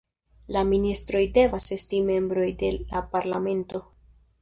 La ministroj devas esti membroj de la parlamento.